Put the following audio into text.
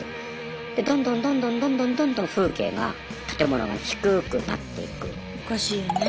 でどんどんどんどんどんどんどんどん風景が建物が低くなっていく。